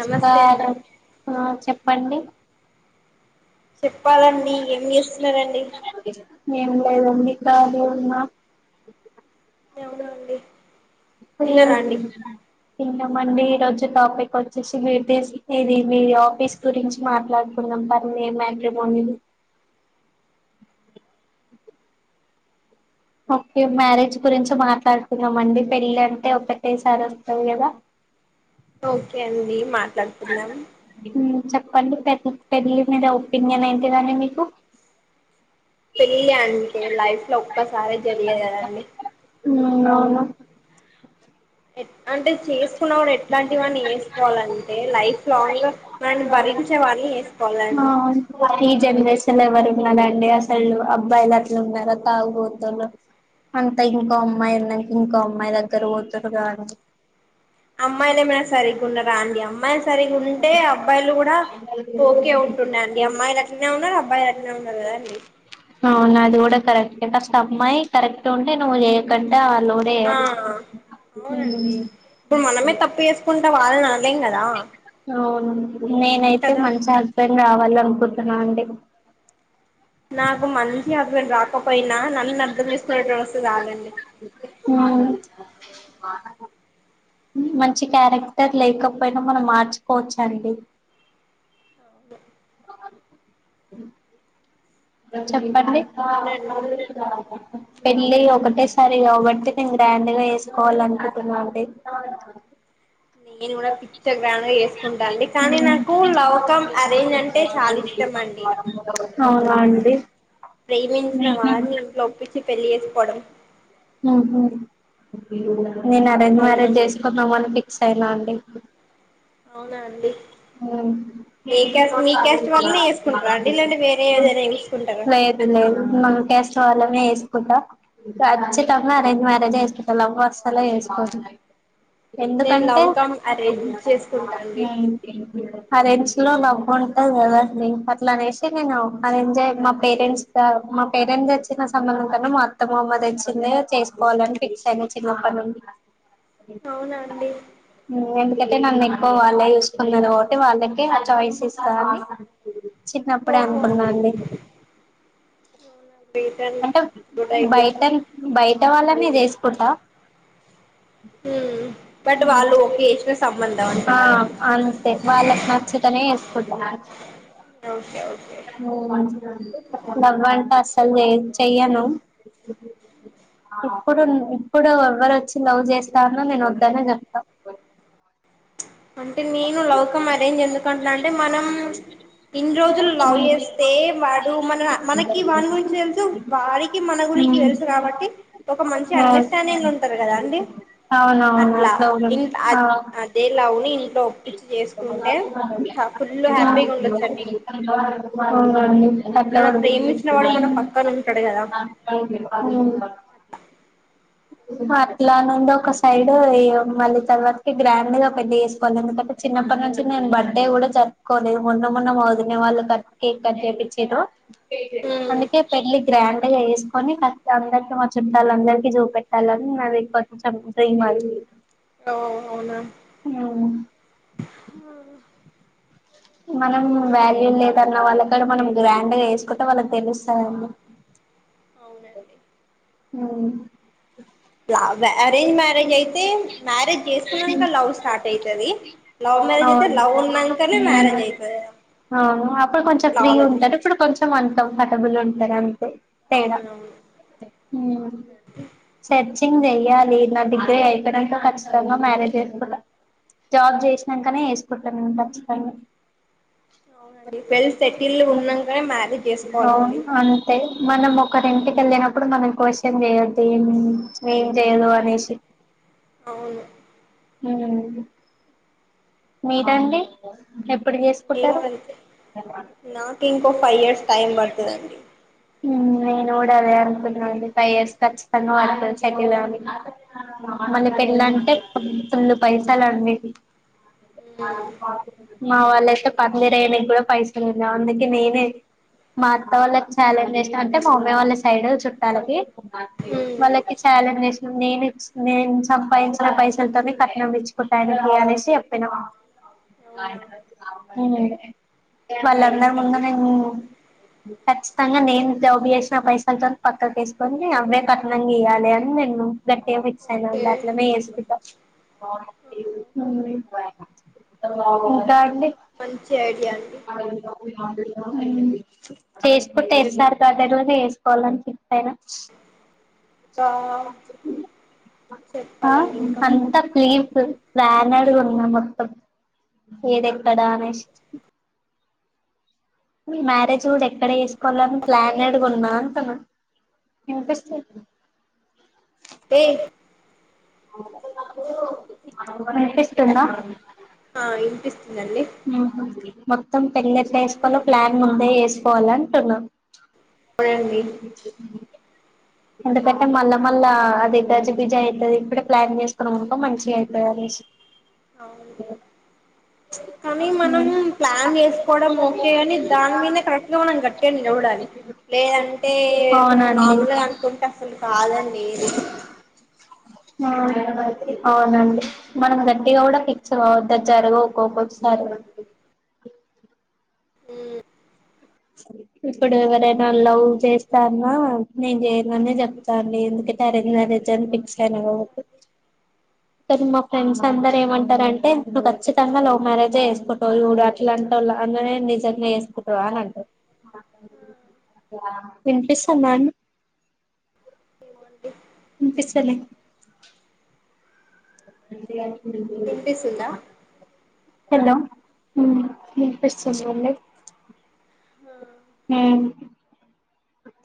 నమస్తే అండి ఆ చెప్పండి చెప్పాలండి ఏం చేస్తున్నారండి మేం కూడ్ లేదండి కాలి ఉన్నా అవునా అండి [unintelligible] అండి తింటామండి ఈ రోజు టాపిక్ వచ్చేసి మీరు D C P U office గురించి మాట్లాడుకున్నారు మట్రి బ [unintelligible] ఓకే మ్యారేజ్ గురించి మాట్లాడుకుందామండి పెళ్ళి అంటే ఒకటేసారి వస్తది కదా ఓకే అండి మాట్లాడుకుందాం పళ్ళి పె పెళ్ళి మీద ఒపీనియన్ ఏంటిదండి మీకు పెళ్ళి అంటే లైఫ్ లో ఒక్కసారే జరిగేది కదండి ఉమ్ అవును ఎ అంటే చేసుకున్న వాడు ఎట్లాంటివాన్ని చేసుకోవాలంటే లైఫ్ లాంగ్ మనని భరించే వాన్ పెళ్లి చేసుకోవాలండి వారి అసలు ఎవరున్నారండి అసలు అబ్బాయిలు అట్లా ఉన్నారా తాగుబోతోళ్లు అంతా ఇంకో అమ్మాయి ఉన్నా ఇంకో అమ్మాయి దగ్గరకి పోతరు కాని అమ్మాయిలు ఏమైనా సరిగ్గా ఉన్నారా అండి అమ్మాయిలు సరిగ్గా ఉండుంటే అబ్బాయిలు కూడా ఓకే ఉంటు అండి అమ్మాయిలు అట్లనే ఉన్నారు అబ్బాయిలు అట్లనే ఉన్నారు కదా అండి అవును అది కూడా కరక్ట్ ఇంటస్ట్ అమ్మాయి కరెక్ట్ ఉంటే నువ్వు చేయకంటే ఆళ్ళు కూడా ఆ చేయరు అవునండి హ్మ్ ఇప్పుడు మనమే తప్పు చేసుకుంటా వాళ్ అవును నేనైతే కదా మంచి హస్బెండ్ రావాలను ప్రొద్దున అండి నాకు మంచి హస్బెండ్ రాకపోయినా నన్ను అర్థం చేసుకునేటోడు వస్తే చాలండి మ్మ్ మంచి క్యారెక్టర్ లేకపోయినా మనం మార్చుకోవచ్చు అండి చెప్పండి అవునండి పెళ్ళి ఒకటేసారి కాబట్టి నేను గ్రాండ్గా చేసుకోవాల అనుకుంటున్నా అండి నేను కూడా పిచ్చ గ్రాండ్ గా చేసుకుంటా అండి కానీ నాకు లవ్ కమ్ అరేంజ్ అంటే చాలా ఇష్టం మండి అవునా అండి ప్రేమించిన వారిని ఇంట్లో ఒప్పించి పెళ్లి చేేసుకోవడం ఉహు నేను అరేంజ్ మ్యారేజ్ అవునండి చేసుకుందామని ఫిక్స్ అయినా అండి అవునా అండి ఏ క్యాస్ట్ మీ క్యాస్ట్ వాళ్ళనే చేసుకుంటారా అండి లేదా వేరే ఏదైనా చూసుకుంటారా లేదు లేదు మన క్యాస్ట్ వాళ్లనే చేస్ కుంటా ఖచ్చితంగా అరేంజ్ మ్యారేజే చేసుకుంటా లవ్ అస్సలే చేసుకోను నేను ఎందుకంటే లవ్ కమ్ అరేంజ్ చేసుకుంటా అండి మ్మ్ అరెంజ్ లో లవ్ ఉంటది కదండి అట్లా అనేసి నేను అరెంజే మా పేరెంట్స్గా మా పేరెంట్స్ తెచ్చిన సంబంధం కన్నా మా అత్తమామల తెచ్చిందే చేసుకోవాలని ఫిక్స్ అయిన చిన్నప్పటి నుండి అవునా అండి మ్మ్ ఎందుకంటే నన్ను ఎక్కువ వాళ్ళే చూసుకున్నారు కాబట్టి వాళ్ళకే ఆ చాయిస్ ఇస్తా అని చిన్నప్పుడే ఓహో అనుకున్నా అండి గ్రేట్ అండి అంటే గుడ్ ఐడియా బైట బై బయట వాళ్లనే చేసుకుంటా బట్ వాళ్ళు ఓకే చేసిన సంబంధం ఆ అంటున్నారు అంతే వాళ్ళకి నచ్చితనే చేస్ కుంటున్నారు ఓకే ఓకే మ్మ్ లవ్ అంటే అసల్ చేయను చెయ్యను ఇప్పుడున్ ఇప్పుడు ఎవరు వచ్చి లవ్ చేస్తా అన్నా నేను వద్దనే చెప్తా అంటే నేను లవ్ కమ్ అరేంజ్ అని ఎందుకంటున్నా అంటే మనం ఇన్ని రోజులు లవ్ చేస్తే వాడు మన మనకి వాని గురించి ఏం తెలుసు వాడికి మన గురించి తెలుసు కాబట్టి ఒక మంచి అండర్స్టాండింగ్ ఉంటది కదా అండి అవునవును అట్లా ఆ ఇంట్ అదేలవుని ఇంట్లో ఒప్పించి చేసు ఉండొచ్చండి [inaudible] మన ప్రేమించిన వాడు మన ది పక్కన ఉంటాడు కదా [inaudible] అట్లా నుండి ఒక సైడ్ మళ్ళీ తర్వాత గ్రాండ్ గా పెళ్లి చేసుకోవాలి ఎందుకంటే చిన్న ప్పటి నుంచి నేను బర్త్డే కూడా జరుపుకోలేదు మొన్న మొన్న మా వొదిన వాళ్ళు కట్ కేక్ కట్ చేపించుండ్రు అందుకే పెళ్లి గ్రాండ్ గా చేసుకొని ఫ అందరికి మా చుట్టాలు అందరికి చూపెట్ అలా నవేక్వ డ్రైంగ్ మ ఉ ఆ అవునా ఈ మనం వాల్యూ లేదన్న వాళ్ళ కాడ మనం గ్రాండ్ గా చేసుకుంటే వాళ్ళకి తెలుస్తాందండి అవునండి హ్మ్మ్ అరేంజ్ మ్యారేజ్ అయితే మ్యారేజ్ చేసుకున్నాక లవ్ స్టార్ట్ అయితది లవ్ మ్యారజయితే అవును లవ్ ఉన్నంకానే మ్యారేజ్ అ యితది అ అప్పుడు కొంచెం ఫ్రీ ఉంటారు ఇప్పుడు కొంచెం అ కంఫర్టబుల్ ఉంటారు అంతే తేడా అవునవును సర్చ్ ఇంగ్ చెయాలి నా డిగ్రీ అయిపోయిడాంతో ఖచ్చితంగా మ్యారేజ్ చేసుకుంట జాబ్ చేసినాకనే వేసుకుంటాను నేను ఖచ్చితంగా అవునండి వెల్ సెటిల్ ఉన్నాకనే మ్యారేజ్ అవును చేసుకోవాలండి అంతే మన ఒకరి ఇంటికి వెళ్ళినప్పుడు మనం క్వశ్చన్ చేయొద్దు ఏ ఏం చేయదు అనేసి అవును హ్మ్మ్ మీదండి ఎప్పుడు నేను చేసుకుంటారు [inaudible] అంతే నాకు ఇంకో ఫైవ్ ఇయర్స్ టైం పడుతదండి అను ఫైవ్ ఇయర్స్ ఖచ్చితంగా వాడు చదువాలి మళ్ళీ పెళ్ళి అవునండి అంటే సలు పైసలు ఏడివి మ్మ్ మా వాళ్ళయితే పందిరి వేయడానికి కూడా పైసలు ఉ అందుకే నేనే మా అత్త వాళ్ళకి చఛాలెంజ్ చేస్తా అంటే మా అమ్మీ వాళ్ళ సైడ్ చుట్టాలకి మ్మ్ వాళ్ళకి ఛాలెంజ్ చేసినాను నేను నేను సంపాదించిన పైసలతోనే కట్నం ఇచ్చుకుంటాను అనేసి అవునా హ్మ్మ్ నైస్ వాళ్ళందరి ముందు అండి నేను ఖచ్చితంగా నేను జాబు చేసిన పైసలతో పక్కకు తీసుకొని అవ్వే కట్నంగా ఇయ్యాలి అని మరి నువ్వు ఎట్లా ఓకే చేసుకున్నావ్ అట్లనే చేసుకుంటా ఉడి [inaudible] మంచి ఐడియా అండి చేసుకుంటే వస్తారు కద రోజు వేసుకోవాలని అనిపిత్తారు ఇంకా ఆ చెప్పాలండి ఇంకా అంత కేర్ఫుల్ [unintelligible] కూడా [unintelligible] ఏదేక్కడనేసి మీ మ్యారేజ్ కూడా ఎక్కడ వేసుకోవాలని ప్లాన్ అడుగున్నా అను ఎంతిస్తావ్ [inaudible] మపిస్ ఉందా ఆ వినిపిస్తుందండి మొత్తం పెళ్ళి ఎట్లా చెప్పండి చేసుకోవాలో ప్లాన్ ముందే వేసు పోలంటున్నా అవునండి ఎందుకంటే మళ్ళ మళ్ళ అది గజి బిజి అవుతుంది ఇప్పుడే ప్లాన్ చేసుకున్నాం అనుకో మంచిగా అవుతది అనే అవును కానీ మనం ప్లాన్ చేసుకోవడం ఓకే అని దాని మీద కరెక్ట్ గా మనం గట్టిగా నిలబడాలి లేదంటే మనం అవునండి నార్మల్గా అనుకుంటే అసలు కాదండి ఇది అవునండి మనం గట్టిగా కూడా ఫిక్స్ కావద్దా జరగవు ఒక్కొక్కొక్కసారి ఇప్పుడు ఎవరైనా లవ్ చేస్తా అన్నా నేను చేయననే చెప్తాండి ఎందుక ఆరెంజ్ మ్యారేజ్ అని పిక్సయిన కానీ మా ఫ్రెండ్స్ అందరు ఏమంటరంటే నువు ఖచ్చితంగా లవ్ మ్యారేజే చేసుకుంటవు జూడు అట్ల అంటవు అన్లనే నిజంగా చేసుకుంటవా అని అంటరు విన్పిస్తందండి ఏమోండి వినిపిస్తలే మీరు గని విన్పిసుందా హలో హు వినిపిస్తుందండి హ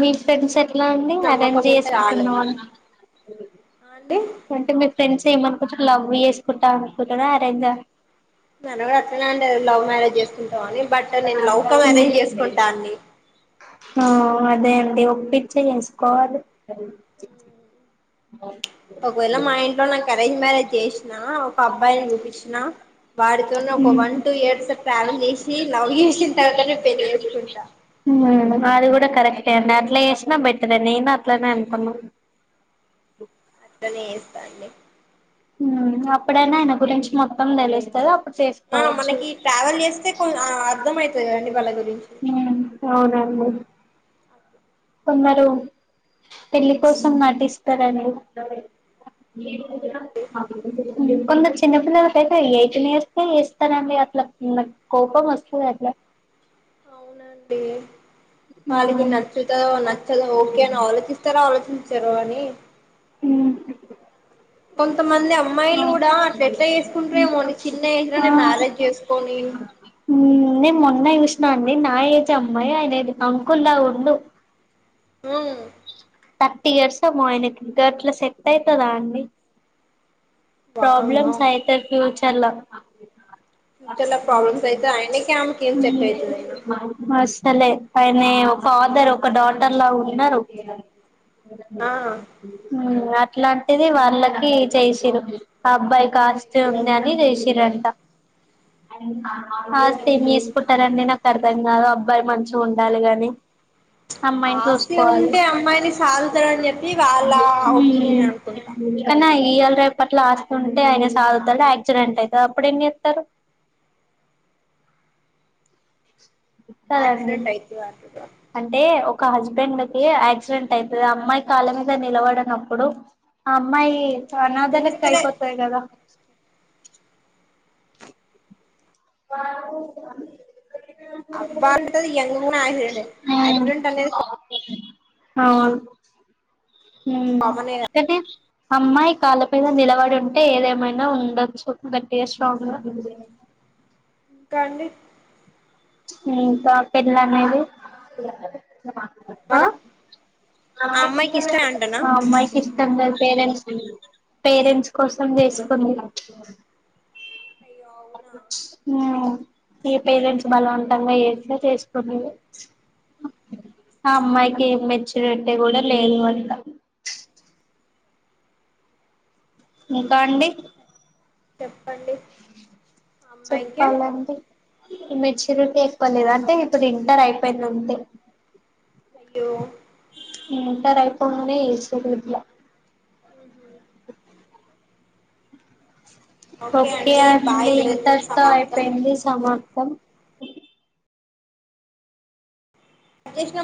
మీ ఫ్రెండ్స్ ఎట్లా అండి నమ్మకం అరేంజ్ ఉంటే చేసుకుంటున్నావా రాదండి ఆ అండి అంటే మీ ఫ్రెండ్స్ ఏమనుకుంటూరు లవ్ చేసుకుంటా అనుకుంటురా అరేంజ నన్ను కూడా అట్లనే అండేది లవ్ మ్యారేజ్ చేసుకుంటావు అని బట్ నేను లవ్ కమ్ అరేంజ్ చేసుకుంటా అండి ఆ అదే అంటే ఒపిక్ చేస్కోవాలి ఒకవేళ మా ఇంట్లో నాకు అరేంజ్ మ్యారేజ్ చేసిన ఒక అబ్బాయిని చూపించిన వాడితోని ఒక వన్ టూ ఇయర్స్ ట్రావెల్ చేసి లవ్ చేసిన తర్వాత నే పెళ్లి చేసుకుంటా అది కూడా కరెక్ట్ టె అండి అట్లా చేసినా బేటరే నేను అట్లానే అనుకున్నా అట్లనే చేస్తా అండి అప్పుడైనా ఆయన గురించి మొత్తం తెలుస్తాది ఆ చేసుకోవచ్చు మనకి ట్రావెల్ చేస్తే కొ అర్థం అయితది కదండి వాళ్ళ గురించి ఉమ్ అవున నన్ను కొందరు పెళ్లి కోసం నాటిస్తారండి లెండి కొందరు చిన్న పిల్లలకైతే ఎయిటీన్ ఇయర్స్ కే చేస్తారండి అట్లా కోపం వస్తుంది అట్లా అవునండి ఆ వాళ్ళకి నచ్చుతదో నచ్చదొ ఓకే అని ఆలోచిస్తారో ఆలోచించారో అని కొంతమంది అమ్మాయిలు కూడా అట్ల ఎట్లా చేసుకుంటారేమో అండి చిన్న ఏజ్ లోనే మ్యారేజ్ చేసుకని నేను మొన్న చూసినా అండి నా ఏజ్ అమ్మాయి ఆయన అంకుల్లా ఉండు ఉ థర్టీ ఇయర్స్ మో ఆయనకి గట్ల సెట్ అయితదా అండి వామ్మో ప్రాబ్లమ్స్ అయితే ఫ్యూచర్ ల ఫ్యూచర్ లో ప్రాబ్లమ్స్ అయితే ఆయనకి ఆమెకి ఏం సెట్ అయితది అయినా మస్ తలే ఆయనే ఒక ఫాదర్ ఒక డాటర్ లా ఉన్నారు ఆ అట్లాంటిది వాళ్ళకి చేసిరు ఆ అబ్బాయికి అస్తి అయ్యో ఉంది అని చేసిరంట అయ్యో ఆస్తి ఏం అవునా చేసుకుంటారండి నాక్ అర్థంకాదు అబ్బాయి మంచిగా ఉండాలి గని అమ్మాయిని ఆస్తి చూసుకోవాలి ఉంటే అమ్మాయిని సాదుతారని చెప్పి వాళ్ళ ఒపీనియన్ అనుకుంటా కని ఆ ఇయాల రేపట్లా ఆస్తుంటే ఆయన సాదుతారు యాక్సిడెంట్ అయితది అప్పుడు ఏం చేత్తరు కదండి యాక్సిడెంట్ అయితది అంటుర్రు అంటే ఒ ఒక హస్బెండ్ కి యాక్సిడెంట్ అయితది అమ్మాయి కళ్ళ మీద నిలబడనప్పుడు ఆ అమ్మాయి అనాధ లెక్క వినిపిస్తలే అయిపోతాయి కదా [unintelligible] అబత యంగ్ కూడా యాడెంట్ యాక్సిడెంట్ అనేది అవును ఉ కామనే కదా కంటే అమ్మాయి కళ్లా పైన నిలబడి ఉంటే ఏదేమైనా ఉండొచ్చు గట్టిగా స్ట్రాంగ్ ఉ ఇంకా అండి ఇంకా పెిళ్ల అనేది మరి ఆ అమ్మాయికి ఇష్టమే అంటనా ఆ అమైకి ఇష్టంలేదు పేరెంట్స్ పేరెంట్స్ కోసం చేసుకుంది అయ్యో అవునా ఏ పైరేంట్స్ బలవంతంగా ఏస్తే చేసుకున్నా ఆ అమ్మాయికి మెచ్చురిటీ కూడా లేదు అంట ముకాండి చెప్పండి ఆ అమ్మాయికే చెప్పాలండి మెచ్యూరిటీ ఎక్కువలేదు అంటే ఇప్పుడు ఇంటర్ అయిపోయింది ఉంటే అయ్యో ఇంటర్ అయిపోగనేజేశి ఓకే బాయ్ అండి లేదతో ఇంతర్తో సమాప్తం అయిపోయింది సమాప్తం కట్ చేసిన